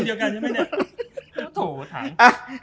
โถถาม